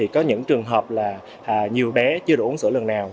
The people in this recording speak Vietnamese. có những trường hợp là nhiều bé chưa đủ uống sữa lần nào